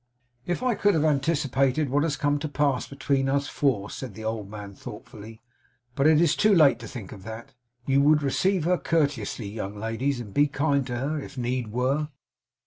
'If I could have anticipated what has come to pass between us four,' said the old man thoughfully; 'but it is too late to think of that. You would receive her courteously, young ladies, and be kind to her, if need were?